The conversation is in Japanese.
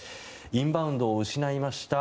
インバウンドを失いました